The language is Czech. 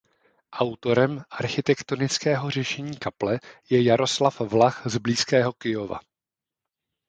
Autorem architektonického řešení kaple je Jaroslav Vlach z blízkého Kyjova.